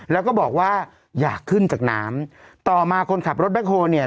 แล้วก็บอกว่าอยากขึ้นจากน้ำต่อมาคนขับรถแบ็คโฮลเนี่ย